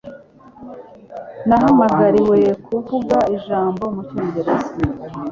Nahamagariwe kuvuga ijambo mucyongereza.